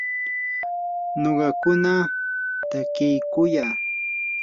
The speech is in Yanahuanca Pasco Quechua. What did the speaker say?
nuqakuna takiykuyaa.